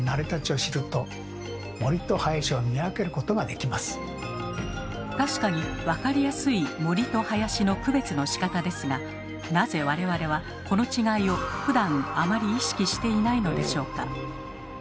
こうしてそれぞれの確かに分かりやすい森と林の区別のしかたですがなぜ我々はこの違いをふだんあまり意識していないのでしょうか？